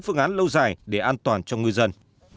phương án lâu dài để an toàn cho ngư dân